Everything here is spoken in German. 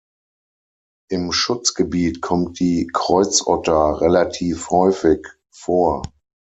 Im Schutzgebiet kommt die Kreuzotter relativ häufig vor.